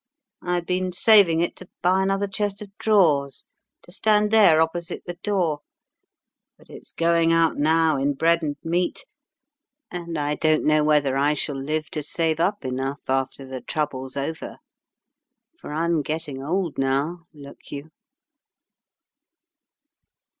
I had been saving it to buy another chest of drawers to stand there, opposite the door, but it's going out now in bread and meat, and I don't know whether I shall live to save up enough after the trouble's over, for I'm getting old now, look you."